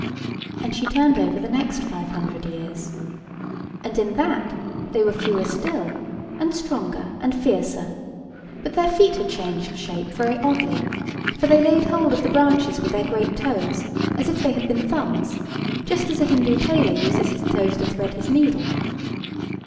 And she turned over the next five hundred years. And in that they were fewer still, and stronger, and fiercer; but their feet had changed shape very oddly, for they laid hold of the branches with their great toes, as if they had been thumbs, just as a Hindoo tailor uses his toes to thread his needle.